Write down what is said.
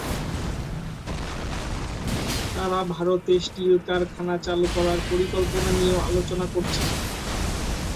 তাঁরা ভারতে স্টিল কারখানা চালু করার পরিকল্পনা নিয়েও আলোচনা করেছিলেন।